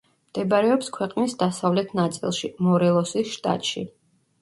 მდებარეობს ქვეყნის დასავლეთ ნაწილში, მორელოსის შტატში.